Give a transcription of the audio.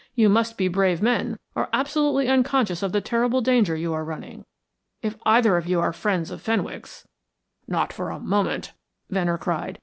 You must be brave men, or absolutely unconscious of the terrible danger you are running. If either of you are friends of Fenwick's " "Not for a moment," Venner cried.